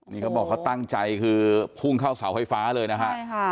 นี่เขาบอกเขาตั้งใจคือพุ่งเข้าเสาไฟฟ้าเลยนะฮะใช่ค่ะ